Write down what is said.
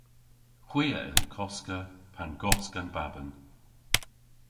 Hwi a yll koska pan gosk an baban.